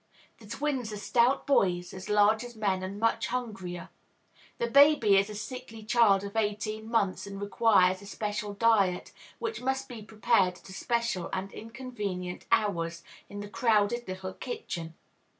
The twins are stout boys, as large as men, and much hungrier. The baby is a sickly child of eighteen months, and requires especial diet, which must be prepared at especial and inconvenient hours, in the crowded little kitchen.